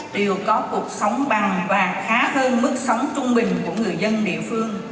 đều có cuộc sống bằng và khá hơn mức sống trung bình của người dân địa phương